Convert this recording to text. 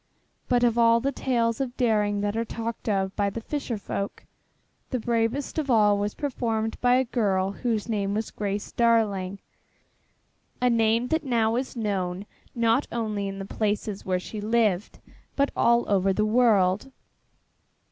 But of all the tales of daring that are talked of by the fisher folk, the bravest of all was performed by a girl whose name was Grace Darling, a name that now is known not only in the places where she lived but all over the world.